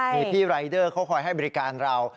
มีพี่รายเดอร์เขาคอยให้บริการเรา